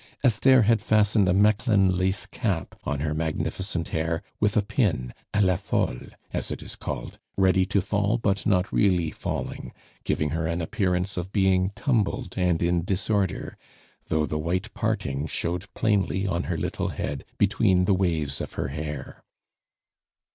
Esther had fastened a Mechlin lace cap on her magnificent hair with a pin, a la folle, as it is called, ready to fall, but not really falling, giving her an appearance of being tumbled and in disorder, though the white parting showed plainly on her little head between the waves of her hair.